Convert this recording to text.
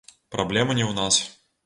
Праблема не ў нас.